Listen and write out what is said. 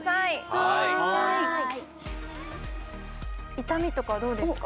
はい痛みとかどうですか？